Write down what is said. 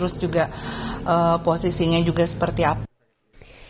nah posisinya juga seperti apa